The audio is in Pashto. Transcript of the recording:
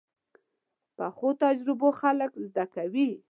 پخو تجربو خلک زده کوي